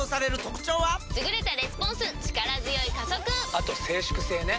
あと静粛性ね。